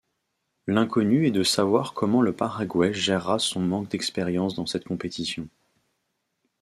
L'inconnue est de savoir comment le Paraguay gérera son manque d'expérience dans cette compétition.